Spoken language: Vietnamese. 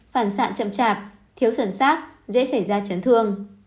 phản sạn chậm chạp thiếu sửa sát dễ xảy ra chấn thương